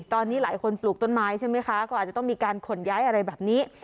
ตอนนี้หลายคนปลูกต้นไม้ใช่ไหมคะก็อาจจะต้องมีการขนย้ายอะไรแบบนี้